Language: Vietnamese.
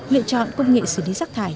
lựa chọn công nghệ xử lý rác thải